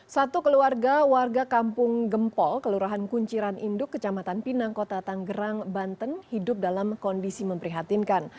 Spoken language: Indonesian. satu keluarga warga kampung gempol kelurahan kunciran induk kecamatan pinang kota tanggerang banten hidup dalam kondisi memprihatinkan